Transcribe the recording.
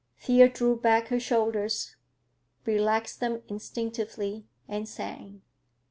Thea drew back her shoulders, relaxed them instinctively, and sang.